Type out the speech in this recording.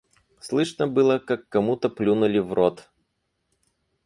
Слышно было, как кому-то плюнули в рот.